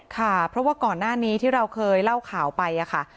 ค่ะเพราะว่าก่อนหน้านี้ที่เราเคยเล่าข่าวไปค่ะ